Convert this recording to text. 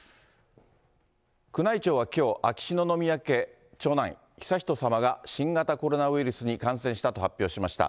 宮内庁はきょう、秋篠宮家長男、悠仁さまが新型コロナウイルスに感染したと発表しました。